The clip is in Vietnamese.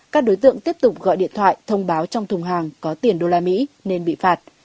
các đối tượng tiếp tục gọi điện thoại thông báo trong thùng hàng có tiền đô la mỹ nên bị phạt